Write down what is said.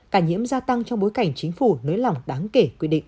cả nhiễm gia tăng trong bối cảnh chính phủ nới lỏng đáng kể quy định